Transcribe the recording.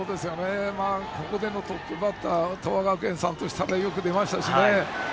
ここでのトップバッター東亜学園さんとしてはよく出ましたね。